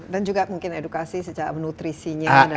dan juga mungkin edukasi secara nutrisinya dan lain sebagainya